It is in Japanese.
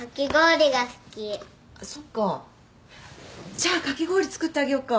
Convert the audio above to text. じゃあかき氷作ってあげよっか？